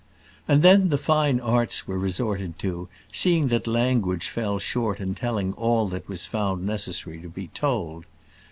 And then the fine arts were resorted to, seeing that language fell short in telling all that was found necessary to be told.